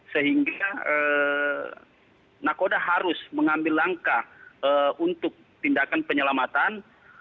sehingga nakoda harus mengambil langkah untuk tindakan penyelamatan